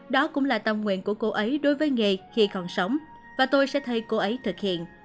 đó cũng là tâm nguyện của cô ấy đối với nghề khi còn sống và tôi sẽ thấy cô ấy thực hiện